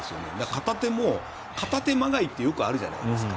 片手も片手まがいってよくあるじゃないですか。